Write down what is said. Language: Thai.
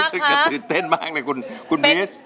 รู้สึกจะตื่นเต้นมากเลยคุณมิส